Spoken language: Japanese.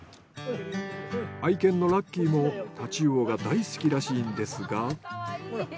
愛犬のラッキーも太刀魚が大好きらしいんですが。